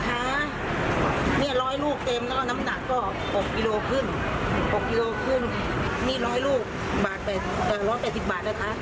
๖กิโลกรัมขึ้นนี่๑๐๐ลูก๑๘๐บาทนะคะ